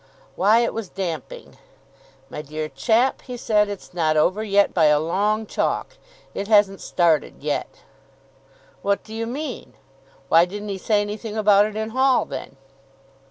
Wyatt was damping. "My dear chap," he said, "it's not over yet by a long chalk. It hasn't started yet." "What do you mean? Why didn't he say anything about it in Hall, then?"